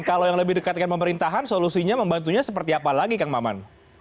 kalau yang lebih dekat dengan pemerintahan solusinya membantunya seperti apa lagi kang maman